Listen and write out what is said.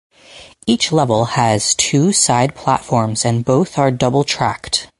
Each level has two side platforms and both are double tracked.